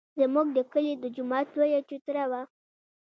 زموږ د کلي د جومات لویه چوتره وه.